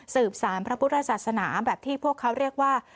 สืบสารพระพุทธศาสนาแบบที่พวกเขาเรียกว่า